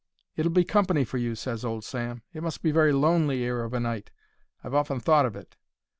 "It'll be company for you," ses old Sam. "It must be very lonely 'ere of a night. I've often thought of it."